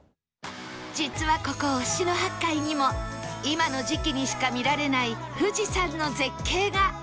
実はここ忍野八海にも今の時期にしか見られない富士山の絶景が